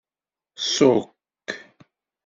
Ṣukk.